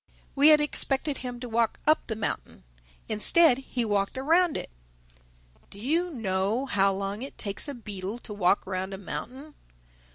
We had expected him to walk up the mountain; instead, he walked around it. Do you know how long it takes a beetle to walk round a mountain?